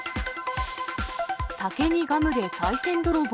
竹にガムでさい銭泥棒。